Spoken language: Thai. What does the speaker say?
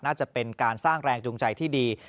น่าจะเป็นการสร้างแรงจูงใจที่ดี